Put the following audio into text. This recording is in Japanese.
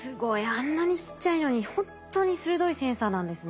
あんなにちっちゃいのにほんとに鋭いセンサーなんですね。